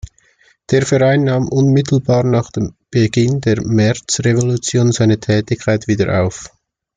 Der Verein nahm unmittelbar nach dem Beginn der Märzrevolution seine Tätigkeit wieder auf.